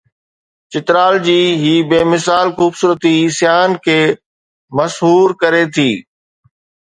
چترال جي هي بي مثال خوبصورتي سياحن کي مسحور ڪري ٿي